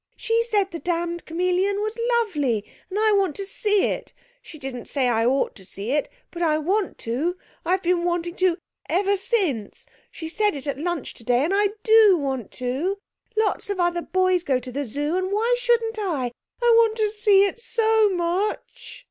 She said the damned chameleon was lovely; and I want to see it. She didn't say I ought to see it. But I want to. I've been wanting to ever since. She said it at lunch today, and I do want to. Lots of other boys go to the Zoo, and why shouldn't I? I want to see it so much.'